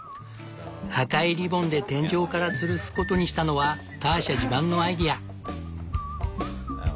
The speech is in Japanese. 赤いリボンで天井からつるすことにしたのはターシャ自慢のアイデア。